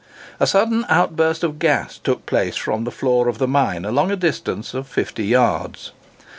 A sudden outburst of gas took place from the floor of the mine, along a distance of fifty yards.